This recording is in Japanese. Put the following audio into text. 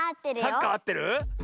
サッカーあってる？